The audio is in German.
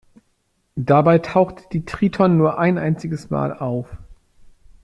Dabei tauchte die "Triton" nur ein einziges Mal auf.